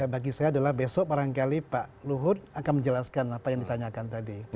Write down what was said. bagi saya adalah besok barangkali pak luhut akan menjelaskan apa yang ditanyakan tadi